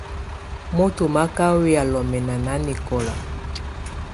Moto má ká wɛya lɔmɛna nanɛkɔla.